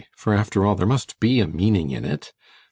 For, after all, there must be a meaning in it.